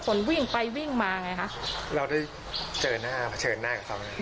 คนวิ่งไปวิ่งมาไงคะเราได้เจอหน้าเจอหน้าคือฟ้าวิน